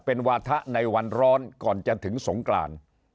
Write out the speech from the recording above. เป็นวาถะในวันร้อนก่อนจะถึงสงกราน